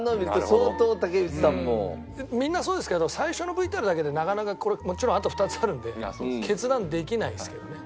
みんなそうですけど最初のＶＴＲだけでなかなかもちろんあと２つあるんで決断できないですけどね。